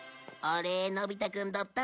のび太くんどったの？